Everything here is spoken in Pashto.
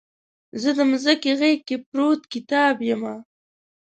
زه دمځکې غیږ کې پروت کتاب یمه